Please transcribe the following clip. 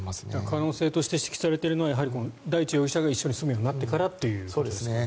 可能性として指摘されているのは大地容疑者が一緒に住むようになってからということですね。